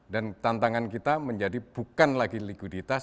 dan tantangan kita menjadi bukan lagi likuiditas